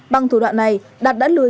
bằng thủ đoạn này đạt đã lừa